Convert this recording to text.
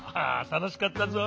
たのしかったぞ。